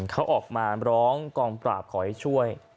เขาออกมาร้องกองปราบขอให้ช่วย